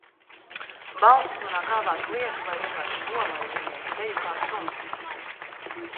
Balsis manā galvā kliedz, lai vienkārši nolaizu viņai seju kā suns.